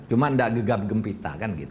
cuma tidak gegap gempita kan gitu